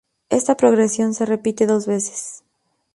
Esta progresión se repite dos veces.